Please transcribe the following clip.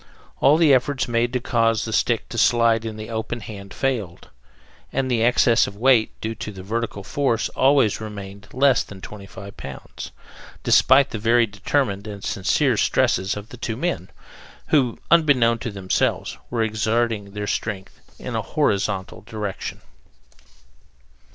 All the efforts made to cause the stick to slide in the open hand failed, and the excess of weight due to the vertical force always remained less than twenty five pounds, despite the very determined and sincere stresses of the two men, who, unbeknown to themselves, were exerting their strength in a HORIZONTAL direction.